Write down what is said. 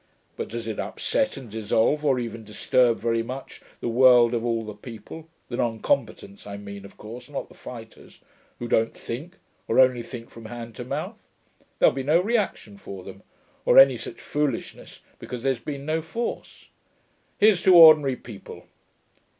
But does it upset and dissolve, or even disturb very much, the world of all the people (the non combatants, I mean, of course, not the fighters) who don't think, or only think from hand to mouth? There'll be no reaction for them, or any such foolishness, because there's been no force. Here's to Ordinary People!'